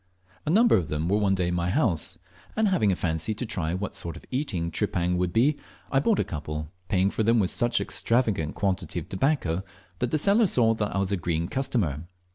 A number of them were one day in my house, and having a fancy to try what sort of eating tripang would be, I bought a couple, paying for them with such an extravagant quantity of tobacco that the seller saw I was a green customer.